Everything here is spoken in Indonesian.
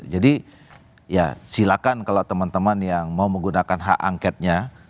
jadi ya silakan kalau teman teman yang mau menggunakan hak angketnya